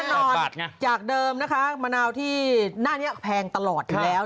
นอนจากเดิมนะคะมะนาวที่หน้านี้แพงตลอดอยู่แล้ว